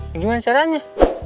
ya gimana caranya